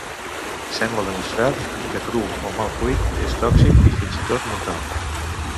Sembla demostrat que cru o mal cuit és tòxic i, fins i tot, mortal.